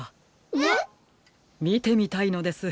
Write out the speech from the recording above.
えっ？みてみたいのです。